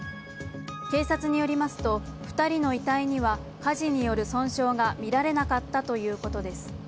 警察によりますと２人の遺体には火事による損傷がみられなかったということです。